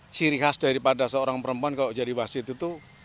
ciri khas daripada seorang perempuan kalau jadi wasit itu